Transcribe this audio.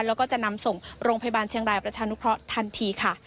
แล้วก็จะนำส่งโรงพยาบาลเชียงรายประชานุเคราะห์ทันทีค่ะ